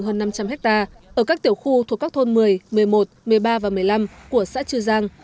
hơn năm trăm linh hectare ở các tiểu khu thuộc các thôn một mươi một mươi một một mươi ba và một mươi năm của xã chư giang